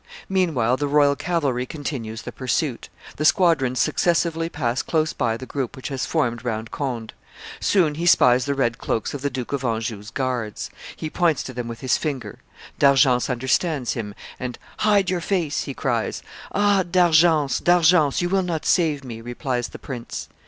Meanwhile the royal cavalry continues the pursuit; the squadrons successively pass close by the group which has formed round Conde. Soon he spies the red cloaks of the Duke of Anjou's guards. He points to them with his finger. D'Argence understands him, and, 'Hide your face!' he cries. 'Ah D'Argence, D'Argence, you will not save me,' replies the prince.